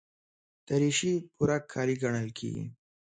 دریشي پوره کالي ګڼل کېږي.